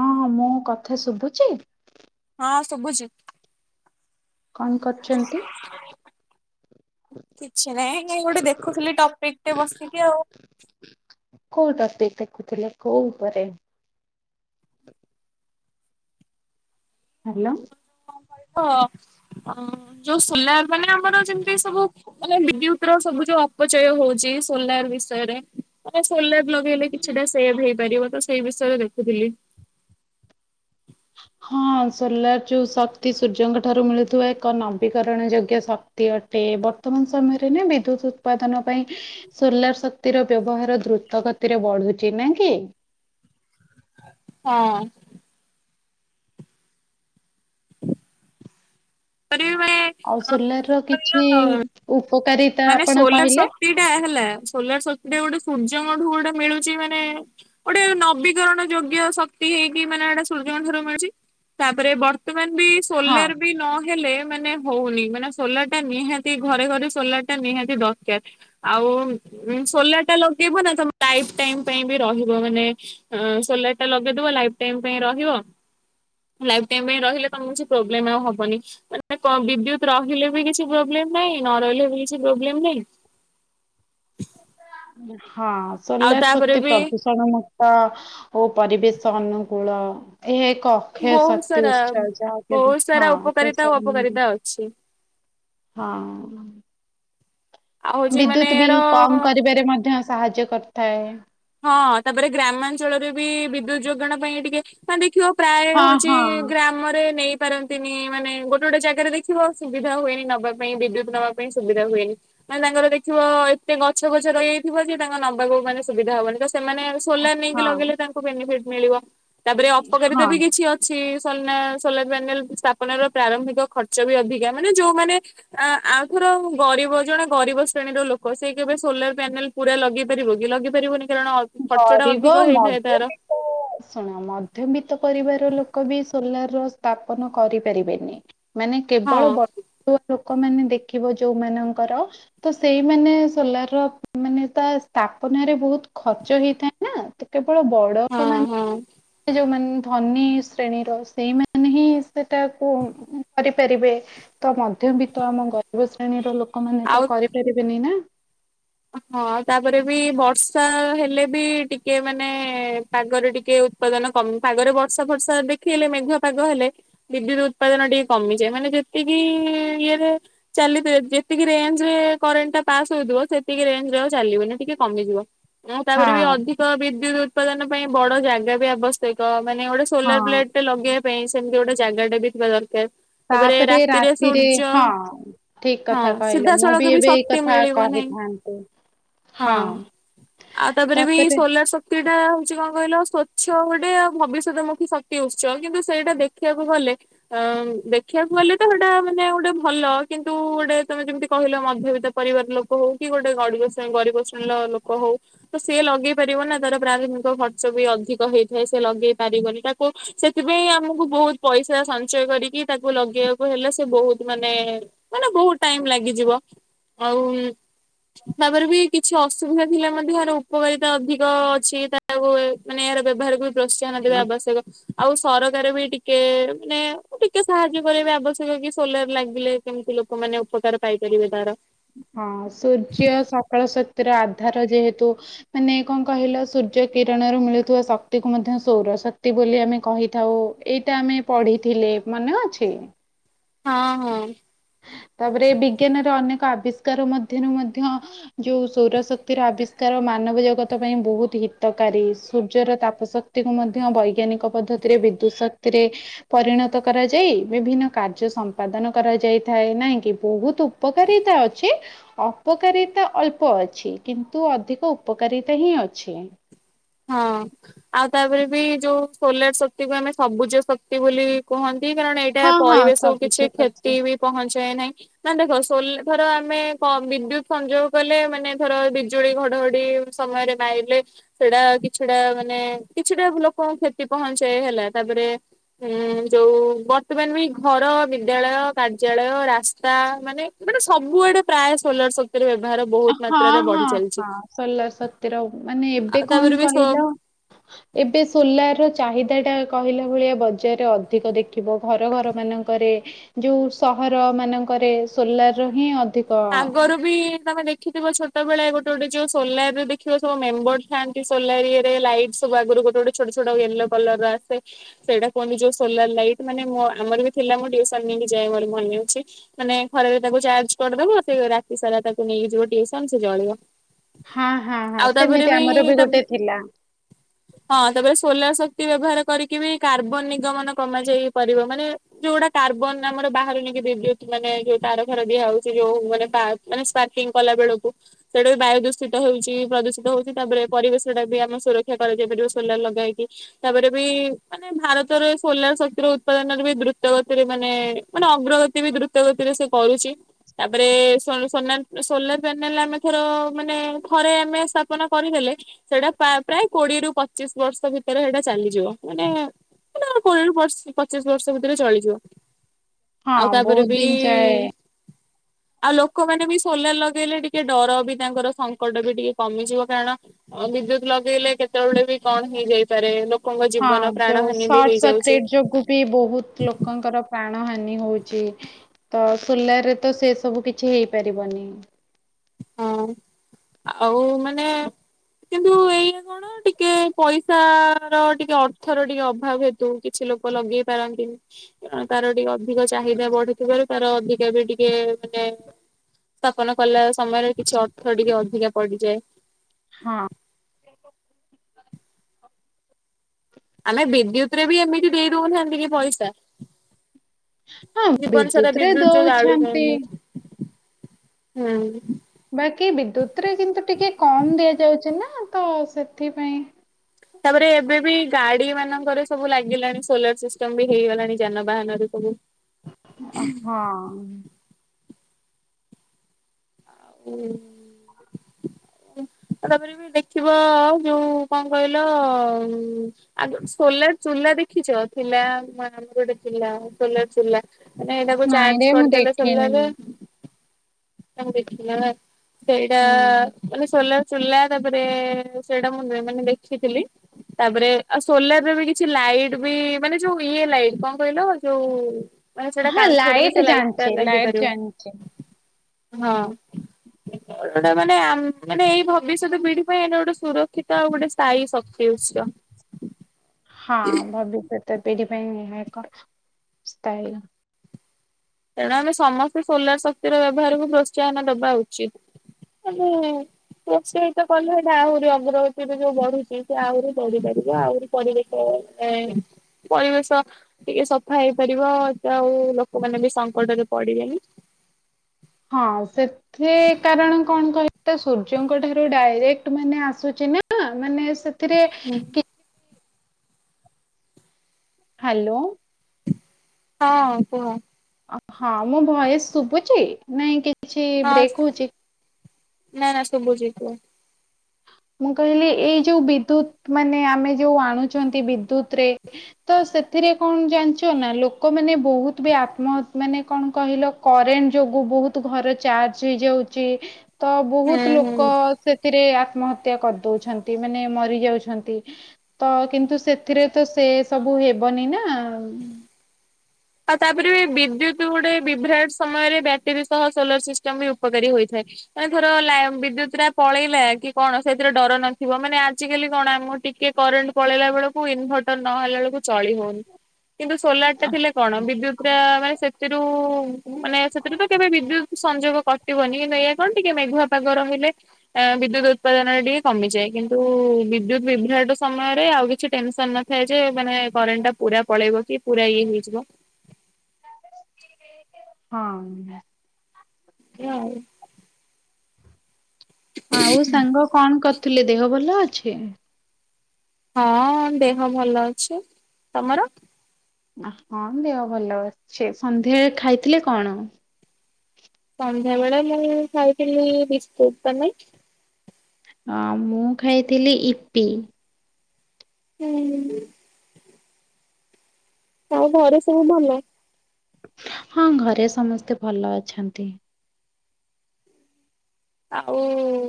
ହଁଁ ମୁଁ କଥା ଶୁଭୁଛି? ହଁ ସୁବୁଚି। କଣ କରୁଛନ୍ତି? କିଛି ନାଇଁ ଗୋଟେ ଦେଖୁଥିଲି ଟପିକ ଟେ ବସିକି ଆଉ। କୋଉ ଟପିକ ଦେଖୁଥିଲେ କୋଉ ଉପରେ? ହ୍ୟାଲୋ। ହ ଯୋଉ ସୋଲାର ମାନେ ଆମର ଯେମିତି ସବୁ ମାନେ ବିଦ୍ୟୁତ ର ସବୁ ଯୋଉ ଅପଚୟ ହୋଉଚି ସୋଲାର ବିଷୟରେ ମାନେ ସୋଲାର ଲଗେଇଲେ କିଛିଟା ସେଭ୍ ହେଇପାରିବ ତ ସେଇ ବିଷୟରେ ଦେଖୁଥିଲି। ହଁ ସୋଲାର ଯୋଉ ଶକ୍ତି ସୂର୍ଯ୍ୟଙ୍କ ଠାରୁ ମିଳୁଥିବା ଏକ ନବୀକରଣ ଯୋଗ୍ୟ ଶକ୍ କ୍ତି ଅଟେ ବର୍ତ୍ତମାନ ସମୟରେ ନା ବିଦ୍ୟୁତ ଉତ୍ପାଦନ ପାଇଁ ସୋଲାର ଶକ୍ତିର ବ୍ୟବହାର ଦ୍ରୁତ ଗତିରେ ବଢୁଚି। ନା କି? ହଁ [unintelligible] ଆଉ ସୋଲାର ର କିଛି କହିଲ ଉପକାରୀ ମାନେ ସୋଲାର ଶକ୍ତି ଟା ହେଲା ସୋଲାର ଶକ୍ତି ଟା ଗୋଟେ ସୂର୍ଯ୍ୟଙ୍କଠୁ ଗୋଟେ ମିଳୁଛି ମାନେ ଗୋଟେ ନବୀକରଣ ଯୋଗ୍ୟ ଶକ୍ତି ହେଇନି ମାନେ ଏଟା ସୂର୍ଯ୍ୟଙ୍କ ଠାରୁ ମିଳୁଛି। ତାପରେ ବର୍ତ୍ତମାନ ବି ହଁ ସୋଲାର ବି ନ ହେଲେ ମାନେ ହୋଉନି ମାନେ ସୋଲାର ଟା ନିହାତି ଘରେ ଘରେ ସୋଲାର ନିହାତି ଦରକାର। ଆଉ ଉଁ ସୋଲାର ଟା ଲଗେଇବୁ ନା ତମ ଲାଇଫ୍ ଟାଇମ୍ ପାଇଁ ବି ରହିବ। ମାନେ ଆଁ ସୋଲାର ଟା ଲଗେଇଦେବ ଲାଇଫ୍ ଟାଇମ୍ ପାଇଁ ରହିବ ଲାଇଫ୍ ଟାଇମ୍ ପାଇଁ ରହିଲେ ତମକୁ କିଛି ପ୍ରୋବ୍ଲେମ ଆଉ ହବନି। ମାନେ ବିଦ୍ୟୁତ ରହିଲେ ବି କିଛି ପ୍ରୋବ୍ଲେମ ନାହିଁ ନ ରହିଲେ ବି କିଛି ପ୍ରୋବ୍ଲେମ ନାହିଁ। ହଁ ଆଉ ସୋଲାର ତାପରେ ଶକ୍ତି ବି ପ୍ରଦୂ ଣ ମୁକ୍ତ ଓ ପରିବେଶ ଅନୁକୂଳ ଏହା ଏକ ଖେ ବହୁତ ଶତି ସାରା ଉଚ୍ଚାର୍ ଯାହା [unintelligible] ଛି ହଁ ଆଉ ହଉଛି ମାନେ ବିଦ୍ୟୁତ ବିଲ୍ କମ ୟାର କରିବାରେ ମଧ୍ୟ ସାହାଯ୍ୟ କରିଥାଏ। ହଁ ତାପରେ ଗ୍ରାମାଞ୍ଚଳରେ ବି ବିଦ୍ୟୁତ ଯୋଗାଣ ପାଇଁ ଟିକେ ପା ଦେଖିବ ପ୍ରାୟ ହଁ ହୋଉଛି ହଁ ଗ୍ରାମରେ ନେଇ ପାରନ୍ତିନି ମାନେ ଗୋଟେ ଗୋଟେ ଜାଗାରେ ଦେଖିବ ସୁବିଧା ହୁଏନି ନବା ପାଇଁ ବିଦ୍ୟୁତ ନବା ପାଇଁ ସୁବିଧା ହୁଏନି। ମାନେ ତାଙ୍କର ଦେଖିବ ଏତେ ଗଛ ଗଛ ରହିଯାଇଥିବ ଯେ ତାଙ୍କ ନବାକୁ ମାନେ ସୁ ବିଧା ହବନି ତ ସେମାନେ ସୋଲାର ନେଇକି ହଁ ଲଗେଇଲେ ତାଙ୍କୁ ବେନିଫିଟ୍ ମିଳିବ ତାପରେ ଅପକାରିତା ହଁ। ବି କିଛି ଅ ଅଛି ସନ୍ୟା ସୋଲାର ପ୍ୟାନେଲ ସ୍ଥାପନା ର ପ୍ରାରମ୍ଭିକ ଖର୍ଚ୍ଚ ବି ଅଧିକା ମାନେ ଯୋଉମାନେ ଆ ଆଉଥର ଗରିବ ଜଣେ ଗରିବ ଶ୍ରେଣୀର ଲୋକ ସେ କେବେ ସୋଲାର ପ୍ୟାନେଲ ପୁରା ଲଗେଇ ପାରିବ କି? ଲଗେଇ କରିବନି କାରଣ ଖର୍ଚ୍ଚ ଟା ଗରିବ ଅଧିକ ହେଇଥାଏ ତାର। ମଧ୍ୟବିତ୍ତ ଶୁଣ ମଧ୍ୟବିତ୍ତ ପରିବାର ଲୋକ ବି ସୋଲାର ର ସ୍ଥାପନ କରିପାରିବେନି ମାନେ କେବଳ ହଁ ବଡ ଲୋକମାନୋନେ ଦେଖିବ ଯୋଉମାନଙ୍କର ତ ସେଇମାନେ ସୋଲାର ର ମାନେ ତା ସ୍ଥାପନାରେ ବହୁତ ଖର୍ଚ୍ଚ ହେଇଥାଏ ନା ତ କେବଳ ବଡ ହଁ ଲୋକ ମାନ ହଁ। ସେ ଯୋଉମାନେ ଧନୀ ଶ୍ରେଣୀର ସେଇମାନେ ହିଁ ସେଟାକୁ କରିପାରିବେ। ତ ମଧ୍ୟବିତ ଆମ ଗରିବ ଶ୍ରେଣୀର ଲୋକମାନେ ଆଉ ତ କରିପାରିବେନି ନା। ହଁ ତାପରେ ବି ବର୍ଷା ହେଲେ ବି ଟିକେ ମାନେ ପାଗରେ ଟିକେ ଉ ଉତ୍ପାଦାନ କମି ପାଗରେ ବର୍ଷା ଫର୍ଷା ଦେଖିଲେ ମେଘୁଆ ପାଗ ହେଲେ ବିଦ୍ୟୁତ ଉତ୍ପାଦନ ଟିକେ କମିଯାଏ। ମାନେ ଯେ ସେତିକି ଇଏରେ ଚାଲିଥାଏ ଯେତିକି ରେଞ୍ଜ ରେ କରେଣ୍ଟ ଟା ପାସ୍ ହୋଉଥିବ ସେ ତିକି ରେଞ୍ ରେ ଆଉ ଚାଲିବନି ଟିକେ କମିଯିବ ଆଉ ତାପରେ ହଁ ବି ଅଧିକ ତ ବିଦ୍ୟୁତ ଉତ୍ପାଦନ ପାଇଁ ବଡ ଜାଗା ବି ଆବଶ୍ୟକ ମାନେ ଗୋଟେ ସୋଲାର ହଁ। ପ୍ଲେଟ ଟେ ଲଗେଇବା ପାଇଁ ସେମିତି ଗୋଟେ ଜାଗାଟା ବି ଥିବା ଦରକାର। ତାପରେ ରାତିରେ ହଁ ଠିକ୍ ହଁ କଥା କହିଲ ସିଧାସଳଖ ମୁଁବି ବି ଏବେ ଏଇ ଶକ୍ତି କଥା ମିଳିବ ନାହିଁ କହିଥାନ୍ତି। ହୁଁ। ହଁ ଆଉ ତାପରେବି ସୋଲାର ସ ସେଇଟା ହଉଚି କଣ କହିଲ ସ୍ଵଚ୍ଛ ଗୋଟେ ଭବିଷ୍ୟତମୁଖୀ ଶକ୍ତି ଉତ୍ସ କିନ୍ତୁ ସେଇଟା ଦେଖିବାକୁ ଗଲେ ଅ ଦେଖିବାକୁ ଗଲେତ ସେଟା ମାନେ ଗୋଟେ ଭଲ କିନ୍ତୁ ଗୋଟେ ତମେ ଯେମିତି କହିଲ ମଧ୍ୟବିତ ପରିବାର ଲୋକ ହଉକି ଗୋଟେ ଗରିବ୍ର ଗରିବ ଶ୍ରେଣୀର ଲୋକ ହଉ ତ ସିଏ ଲଗେଇ ପାରିବନା ତାର ପ୍ରାଥମିକ ଖର୍ଚ୍ଚବି ଅଧିକ ହେଇଥାଏ ସେଲଗେଇ ପାରିବନି ତା କୁ ସେଥିପାଇଁ ଆମକୁ ବହୁତ୍ ପଇସା ସଞ୍ଚୟ କରିକି ତାକୁ ଲଗେଇବାକୁ ହେଲେ ସେବହୁତ୍ ମାନେ ମାନେ ବହୁତ୍ ଟାଇମ୍ ଲାଗିଯିବ ଆଉ ତାପରେବି କିଛି ଅସୁବିଧା ଥିଲେ ମଧ୍ୟ ଏହାର ଉପକାରିତା ଅଧିକ ଅଛି ତାକୁ ମାନେ ଏହାର ବ୍ୟବହାର କ ପ୍ରୋତ୍ସାହନ ଦବା ଆବଶ୍ୟକ ଆଉ ସରକାରବି ଟିକେ ମାନେ ଟିକେ ସାହାଯ୍ୟ କରିବା ଆବଶ୍ୟକକି ସୋଲାର ଲାଗିଲେ କେମିତି ଲୋକମାନେ ଉପକାର ପାଇପାରିବେ ତାର। ହଁ ସୂର୍ଯ୍ୟ ସକାଳ ଶକ୍ତିର ଆଧାର ଯେହେତୁ ମାନେ କଣ କହିଲ ସୂର୍ଯ୍ୟ କିରଣରୁ ମିଳୁଥିବା ଶକ୍ତିକୁ ମଧ୍ୟ ସୌର ଶକ୍ତି ବୋଲି ଆମେ କହିଥାଉ। ଏଇଟା ଆମେ ପଢିଥିଲେ ମନେ ଅଛି? ହଁ ହଁ। ତାପରେ ବିଜ୍ଞାନରେ ଅନେକ ଆବିଷ୍କାର ମଧ୍ୟରେ ମଧ୍ୟ ଯୋଉ ସୌର ଶକ୍ତିର ଆବିଷ୍କାର ମାନବ ଜଗତ ପାଇଁ ବହୁତ୍ ହିତକାରୀ ସୂର୍ଯ୍ୟର ତାପ ଶକ୍ତି କୁ ମଧ୍ୟ ବୈଜ୍ଞାନିକ ପଦ୍ଧତିରେ ବିଦ୍ୟୁତ ଶକ୍ତିରେ ପରିଣତ କରାଯାଇ ବିଭିନ୍ନ କାର୍ଯ୍ୟ ସମ୍ପାଦନ କରାଯାଇ ଥାଏ ନାଇଁକି ବହୁତ୍ ଉପକାରିତା ଅଛି ଅପକାରିତା ଅଳ୍ପ ଅଛି କିନ୍ତୁ ଅଧିକ ଉପକାରିତା ହିଁ ଅଛି। ହଁ। ଆଉ ତାପରେବି ଯୋଉ ସୋଲାର ଶକ୍ତିକୁ ଆମେ ସବୁଜ ଶକ୍ତି ବୋଲି କୁହନ୍ତି କାରଣ ଏ ଏଇଟା ହଁ ହଁ ପରିବେଶକୁ ସବୁଜ କିଛି ଅଛି। କ୍ଷତିବି ପହଞ୍ଚାଏ ନାହିଁ। ନା ଦେଖ ସୋଲ୍ ଧର ଆମେ କଁ ବିଦ୍ୟୁତ ସଂଯୋଗ କଲେ ମାନେ ଧର ବିଜୁଳି ଘଡ଼ଘଡ଼ି ସମୟରେ ମାଇବ୍ଲେକ୍ ସେଟା କିଛିଟା ମାନେ କିଛିଟା ଲୋକ କ୍ଷତି ପହଞ୍ଚାଇ ହେଲା ତାପରେ ହୁଁ ଯୋଉ ବର୍ତ୍ତମାନବି ଘର ବିଦ୍ୟାଳୟ କାର୍ଯ୍ୟାଳୟ ରାସ୍ତା ମାନେ ମାନେ ସବୁଆଡ଼େ ପ୍ରାୟ ସୋଲାର ଶକ୍ତିର ବ୍ୟବହାର ବହୁତ୍ ହଁ ମାତ୍ରାରେ ହଁ ବଢ଼ି ଚାଲିଚି ହଁ ସୋଲାର ଶକ୍ତିର ମାନେ ଏବେ ତାପରେ କଣ ବି କହିଲ ଏବେ ସୋଲାର ଚାହିଦାଟା କହିଲା ଭଳିଆ ବଜାରରେ ଅଧିକ ଦେଖ ଥିବ ଘର ଘର ମାନଙ୍କରେ ଯୋଉ ସହର ମାନଙ୍କରେ ସୋଲାରହିଁ ଅଧିକ ଆଗରୁବି ତମେ ଦେଖିଥିବ ଛୋଟ ବେଳେ ଗୋଟେ ଗୋଟେ ଯୋଉ ସୋଲରେ ଦେଖିବ ସବୁ ମେମ୍ବର ଥାଆ ଏଇ ସୋଲାର ଏଇରେ ଲାଇଟ୍ ସବୁ ଆଗରୁ ଗୋଟେ ଗୋଟେ ଛୋଟ ଛୋଟ ୟେଲୋ କଲରର ଆସେ ସେଇଟା କୁହନ୍ତି ଯୋଉ ସୋଲାର ଲାଇଟ୍ ମାନେ ମ ଆମରବି ଥିଲା ମୁଁ ଟିଉସନ୍ ନେଇକି ଯାଏ ମୋର ମନେ ଅଛି। ମାନେ ଖରାରେ ତାକୁ ଚାର୍ଜ କରିଦବ ସେ ରାତି ସାରା ତାକୁ ନେଇକି ଯିବ ଟିଉସନ୍ ସେ ଜଳିବ। ହଁ ହଁ ହଁ ଆଉ ତାପରେ ସେମିତି ବି ଆମରବି ତା ଗୋଟେ ଥିଲା। [inaudible] ହଁ ତାପରେ ସୋଲାର ଶକ୍ତି ବ୍ୟବହାର କରିକିବି କାର୍ବନ ନିଗମନ କମା ଯାଇପାରିବ ମାନେ ଯୋଉଡ଼ା କାର୍ବନ ଆମର ବାହାରୁନିକି ବିଦ୍ୟୁତ ନେଇକି ମାନେ ଯୋଉ ତାର ଫାର ଦିଆ ହଉ ଯୋଉ ମାନେ ସାର୍କ ମାନେ ସ୍ପାର୍କଂ କଲା ବେଳକୁ ସେଇଟାବି ବାୟୁ ଦୂଷିତ ହଉଚି ପ୍ରଦୂଷିତ ହଉଚି ତାପରେ ପରିବେଶଟାବି ଆମେ ସୁରକ୍ଷା କରାଯାଇ ପାରିବ ସୋଲାର ଲଗାହେଇକି ତାପରେବି ମାନେ ଭାରତରେ ସୋଲାର ଶକ୍ତିର ଉତ୍ପାଦନରେବି ଦ୍ରୁତ ଗତିରେ ମାନେ ମାନେ ଅଗ୍ରଗ ସେ ବି ଦ୍ରୁତଗତିରେ ସେ କରୁଚି। ତାପରେ ସୋନା ସୋଲାର ପ୍ୟାନେଲ ଆମେ ଥର ମାନେ ଥରେ ଆମେ ସ୍ଥାପନ କରିଦେଲେ ସେଇଟା ପା ପ୍ରାୟ କୋଡିଏରୁୁ ପଚିଶ ବର୍ଷ ଭିତରେ ସେଇଟା ଚାଲିଯିବ। ମାନେ ମାନେ କୋଡିଏ ରୁ ବର୍ଷ ପଚିଶ ବର୍ଷ ଭିତରେ ଚଳିଯିବ। ହଁ ଆଉ ବହୁତ ତାପରେ ବି ଦିନ ଯାଏ ଆଉ ଲୋକମାନେ ବି ସୋଲାର ଲଗେଇଲେ ଟିକେ ଡର ବି ତାଙ୍କର ସଙ୍କଟ ବି ଟିକେ କମିଯିବ। କାରଣ ହଁ ବିଦ୍ୟୁତ ଲଗେଇଲେ କେତେବେଳେ ବି କଣ ହେଇଯାଇପାରେ ଲୋ ହଁ ଯୋଉ ସଟ୍ ସର୍କିଟ ଯୋଗୁ ବି ବହୁତ ଲୋକଙ୍କର ପ୍ରାଣ ହାନି ହଉଚି। ତ ସୋଲାରରେ ତ ସେ ସବୁ କିଛି ହେଇପାରିବନି। ହଁ ଆଉ ମାନେ କିନ୍ତୁ ଏଇଆ କଣ ଟିକେ ପଇସା ତା ର ଟିକେ ଅର୍ଥର ଟିକେ ଅଭାବ ହେତୁ କିଛି ଲୋକ ଲଗେଇ ପାରନ୍ତିନି। ତାର ଟିକେ ଅଧି ଅଧିକ ଚାହିଦା ବଢିଥିବାରୁ ତାର ଅଧିକା ବି ଟିକେ ମାନେ ସ୍ଥାପନ କଲା ସମୟରେ କିଛି ଅର୍ଥ ଟିକେ ଅଧିକା ପଡିଯାଏ। ହଁ। ଆମେ ବିଦ୍ୟୁତରେ ବି ଏମିତି ଦେଇ ଦଉନାହାନ୍ତି କି ପଇସା। ହଁ ଜୀବନ ସାରା ରେ ବିଦ୍ୟୁତ ଯୋଉ ଦଉଛନ୍ତି। ଜାଳୁଚନ୍ତି ହୁଁ। ବାକି ବିଦ୍ୟୁତରେ କିନ୍ତୁ ଟିକେ କମ ଦିଆଯାଉଚି ନା ତ ସେଥିପାଇଁ ତାପରେ ଏବେ ବି ଗାଡି ମାନଙ୍କରେ ସବୁ ଲାଗିଲାଣି ସୋଲାର ସିଷ୍ଟମ ବି ହେଇଗଲାଣି ଯାନବାହାନରେ। ସବୁ ହ ହଁ। ଉଁ। ଆଉ ତାପରେ ବି ଦେଖିବ ଯୋଉ କଣ କହିଲ ଉଁ ଆଗରୁ ସୋଲାର ଚୁଲା ଦେଖିଛ ଥିଲା ଆମର ଗୋଟେ ଚୁଲା ସୋଲାର ଚୁଲା। ମାନେ ଏଇଟାକୁ ଚାର୍ଜ ନାଇଁରେ ମୁଁ କରିଦେଲେ ଦେଖେନି ସୋଲାରରେ ତାଙ୍କୁ ଦେଖିଲା ସେଇଟା ହୁଁ ମାନେ ସୋଲାର ଚୁଲା ତାପରେ ସେଇଟା ମୁଁ ମାନେ ଦେଖିଥିଲି। ତାପରେ ଆଉ ସୋଲାରରେ ବି କିଛି ଲାଇଟ୍ ବି ମାନେ ଯୋଉ ଇଏ ଲାଇଟ୍ କଣ କହିଲ ଯୋଉ ନା ସେଇଟା ହଁ କାନ୍ଥରେ ବି ସେ ଲାଇଟ ଲାଇଟ୍ ଟା ଜାଣିଛି ଲାଇଟ ଲାଗିପାରିବ। ଜାଣିଛି। ହଁ ଗୋଟେ ମାନେ ଆମ ମାନେ ଏଇ ଭ ଭବିଷ୍ୟତ ପିଢି ପାଇଁ ଏଇଟା ଗୋଟେ ସୁରକ୍ଷିତ ଆଉ ଗୋଟେ ସ୍ଥାୟୀ ଶକ୍ତି ଉତ୍ସ। ହଁ ଭବିଷ୍ୟତ ପିଢ଼ି ପାଇଁ ଏକ ସ୍ଥାୟୀ ତେଣୁ ଆମେ ସମସ୍ତେ ସୋଲାର ଶକ୍ତିର ବ୍ୟବହାରକୁ ପ୍ରୋତ୍ସାହନ ଦବା ଉଚିତ। ମାନେ ପ୍ରୋତ୍ସାହିତ କଲେ ଆହୁରି ଅଗ୍ରଗତିରୁ ଯୋଉ ବଢୁଚି ସେ ଆହୁରି ବଢିପାରିବ। ଆହୁରି ପରିବେଶ ହେଁ ପରିବେଶ ଟିକେ ସଫା ହେଇପାରିବ ଆଉ ଲୋକମାନେ ବି ସଙ୍କଟରେ ପଡିବେନି। ହଁ ସେତ ଏଥିରେ କାରଣ କଣ କହିଲେ ସୂର୍ଯ୍ୟଙ୍କ ଠାରୁ ଡାଇରେକ୍ଟ ମାନେ ଆସୁଚିନା ମାନେ ଏଥିରେ କି ହାଲୋ। ହଁ କୁହ। ହଁ ମୁଁ ଭୟସ ଶୁଭୁଚି ନାଇଁ କିଛି ହଁ ବ୍ରେକ୍ ହଉଚି? ନା ନା ଶୁଭୁଚି କୁହ। ମୁଁ କହିଲି ଏଇ ଯୋଉ ବିଦ୍ୟୁତ ମାନେ ଆମେ ଯୋଉ ଆଣୁଚନ୍ତି ବିଦ୍ୟୁତ ରେ ତ ସେଥିରେ କଣ ଜାଣିଚ ନା ଲୋକମାନେ ବହୁତ ବି ଆତ୍ମହତ୍ ମାନେ କଣ କହିଲ କରେଣ୍ଟ ଯୋଗୁ ବହୁତ ଘର ଚାର୍ଜ ହେଇଯାଉଛି। ତ ହୁଁ ବହୁତ ଲୋକ ହୁଁ। ସେଥିରେ ଆତ୍ମହତ୍ୟା କରିଦଉଛନ୍ତି ମାନେ ମରିଯାଉଛନ୍ତି। ତ କିନ୍ତୁ ସେଥିରେ ତ ସେ ସବୁ ହେବନି ନା। ଆଉ ତାପରେ ବିଦ୍ୟୁତ ଗୋଟେ ବିଭ୍ରାଟ ସମୟରେ ବ୍ୟାଟେରୀ ସହ ସୋଲାର ସିଷ୍ଟମ ବି ଉପକାରୀ ହୋଇଥାଏ। ମାନେ ଥର ବିଦ୍ୟୁତ ଟା ପଳେଇଲା କି କଣ ସେଥିରେ ଡର ନଥିବ ମାନେ ଆଜିକାଲି କଣ ଆମକୁ ଟିକେ କରେଣ୍ଟ ପଳେଇଲା ବେଳକୁ ଇନଭର୍ଟର ନହଲା ବେଳକୁ ଚଳି ହଉନି। କିନ୍ତୁ ସୋଲାର ଟା ଥିଲେ କଣ ବିଦ୍ୟୁତ ରେ ସେଥିରୁ ମାନେ ସେଥିରୁ ତ କେବେ ବିଦ୍ୟୁତ ସଂଯୋଗ କଟିବନି କିନ୍ତୁ ଏଇ କଣ ଟିକେ ମେଘୁଆ ପାାଗ ରହିଲେ ବିଦ୍ୟୁତ ଉତ୍ପାଦନରେ ଟିକେ କମିଯାଏ କିନ୍ତୁ ବିଦ୍ୟୁତ ବିଭ୍ରାଟ ସମୟରେ ଆଉ କିଛି ଟେନସନ ନ ଥାଏ ଯେ ମାନେ କରେଣ୍ଟ ଟା ପୁରା ପଳେଇବ କି ପୁରା ଇଏ ହେଇଯିବ। ହଁ ହଁ ଆଉ ସାଙ୍ଗ କଣ କରିଥିଲେ ଦେହ ଭଲ ଅଛି। ହଁ ଦେହ ଭଲ ଅଛି ତମର। ହଁ ଦେହ ଭଲ ଅଛି ସନ୍ଧ୍ୟା ଖାଇଥିଲେ କଣ? ସନ୍ଧ୍ୟାବେେଳେ ମୁଁ ଖାଇଥିଲି ବିସ୍କୁଟ୍ ତମେ ଅ ମୁଁ ଖାଇଥିଲି ଇପି ହୁଁଁ ଆଉ ଘରେ ସବୁ ଭଲ ହଁ ଘରେ ସମସ୍ତେ ଭଲ ଅଛନ୍ତି। ଆଉ